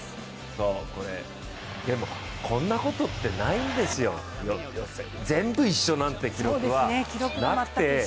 こんなことってないですよ、全部一緒なんて記録はなくて。